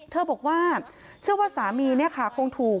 บอกว่าเชื่อว่าสามีเนี่ยค่ะคงถูก